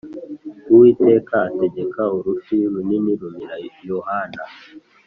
Uwiteka ategeka urufi runini rumira yohana